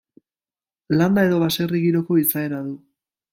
Landa edo baserri giroko izaera du.